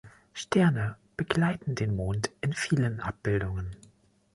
Sterne begleiten den Mond in vielen Abbildungen.